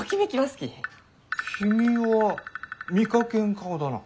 君は見かけん顔だな。